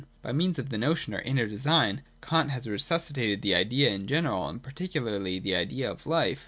By means of the notion of Inner Design Kant has resusci tated the Idea in general and particularly the idea of life.